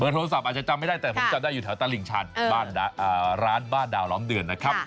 โทรศัพท์อาจจะจำไม่ได้แต่ผมจำได้อยู่แถวตลิ่งชันร้านบ้านดาวล้อมเดือนนะครับ